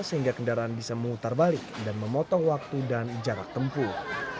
sehingga kendaraan bisa memutar balik dan memotong waktu dan jarak tempuh